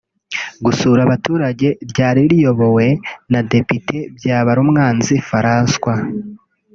gusura Abaturage ryari riyobowe na Depite Byabarumwanzi Francois